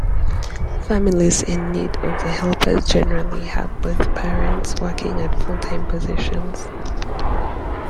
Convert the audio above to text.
Families in need of the helpers generally have both parents working at full-time positions.